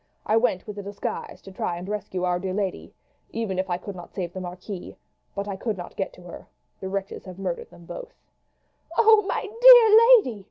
I went with a disguise to try and rescue our dear lady, even if I could not save the marquis; but I could not get to her the wretches have murdered them both." "Oh, my dear lady!"